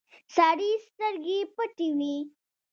سړي سترګې پټې وې.